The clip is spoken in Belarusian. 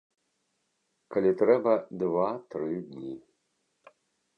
Калі трэба два, тры дні.